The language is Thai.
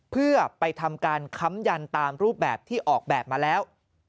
เพื่อไปทำการค้ำยันตามรูปแบบที่ออกแบบมาแล้ว